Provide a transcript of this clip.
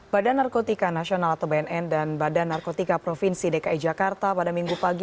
badan narkotika nasional atau bnn dan badan narkotika provinsi dki jakarta pada minggu pagi